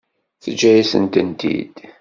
Teǧǧa-yasen-tent-id.